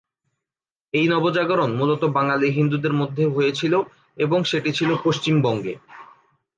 এই নবজাগরণ মূলত বাঙালি হিন্দুদের মধ্যে হয়েছিলো এবং সেটি ছিলো পশ্চিমবঙ্গে।